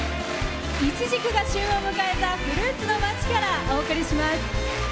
いちじくが旬を迎えたフルーツの町からお送りします。